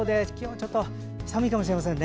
ちょっと寒いかもしれませんね